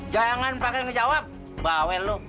jangan pakai ngejawab bawel loh